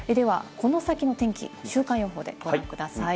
では、この先の天気、週間予報でご覧ください。